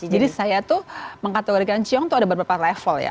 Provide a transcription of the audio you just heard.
jadi saya tuh mengkategorikan chiong tuh ada beberapa level ya